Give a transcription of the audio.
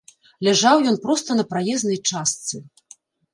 Ляжаў ён проста на праезнай частцы.